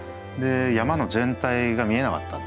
山の全体が見えなかった。